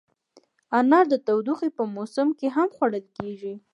انار د تودوخې په موسم کې هم خوړل کېږي.